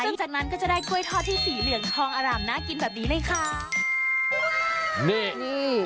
แล้วจากนั้นก็จะได้กล้วยทอดที่สีเหลืองทองอาร่ำน่ากินแบบนี้เลยค่ะ